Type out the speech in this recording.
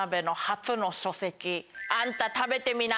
『あんた、食べてみな！